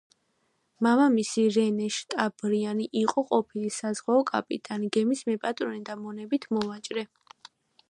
მამამისი, რენე შატობრიანი, იყო ყოფილი საზღვაო კაპიტანი, გემის მეპატრონე და მონებით მოვაჭრე.